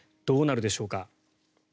どうなるでしょうか。